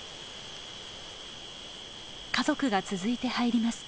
家族が続いて入ります。